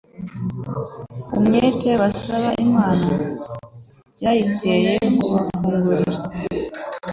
umwete basaba Imana byayiteye kubafungurira